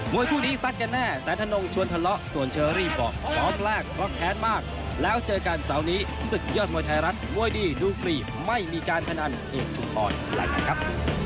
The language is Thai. วยคู่นี้ซัดกันแน่แสนธนงชวนทะเลาะส่วนเชอรี่บอกขอสแรกเพราะแค้นมากแล้วเจอกันเสาร์นี้ศึกยอดมวยไทยรัฐมวยดีดูฟรีไม่มีการพนันเอกชุมพรอะไรกันครับ